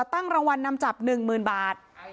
ตั้งรางวัลนำจับ๑๐๐๐บาท